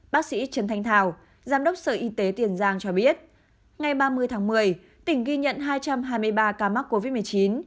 bác sĩ trần thanh thảo giám đốc sở y tế tiền giang cho biết ngày ba mươi tháng một mươi tỉnh ghi nhận hai trăm hai mươi ba ca mắc covid một mươi chín